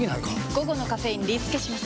午後のカフェインリスケします！